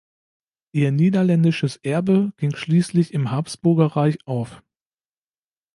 Ihr niederländisches Erbe ging schließlich im Habsburgerreich auf.